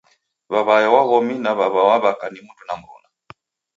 W'aw'ae wa w'omi na w'aw'a wa w'aka ni mndu na mruna.